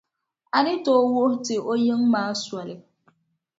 A ni tooi wuhi ti o yiŋa maa soli.